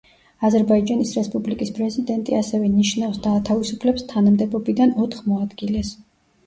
აზერბაიჯანის რესპუბლიკის პრეზიდენტი ასევე ნიშნავს და ათავისუფლებს თანამდებობიდან ოთხ მოადგილეს.